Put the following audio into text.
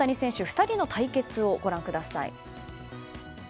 ２人の対決をご覧ください。